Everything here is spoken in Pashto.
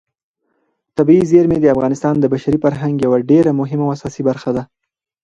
طبیعي زیرمې د افغانستان د بشري فرهنګ یوه ډېره مهمه او اساسي برخه ده.